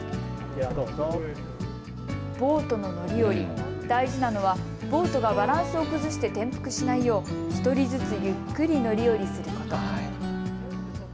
ボートの乗り降り、大事なのはボートがバランスを崩して転覆しないよう１人ずつゆっくり乗り降りすること。